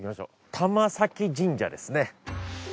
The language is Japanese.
玉前神社ですね。